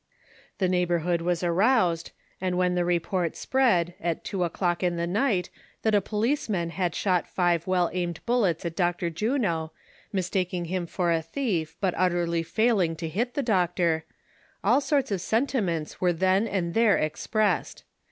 The neighborhood was aroused, and when the report spread, at two o'clock in the night, that a policeman had 122 THE SOCIAL WAR OF 1900; OR, shot five well aimed bullets at Dr. Juno, mistaking him for a thief, but utterly failing to hit the doctor, all sorts of sentiments were then and there expressed.